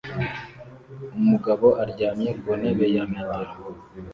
Umugabo aryamye ku ntebe ya metero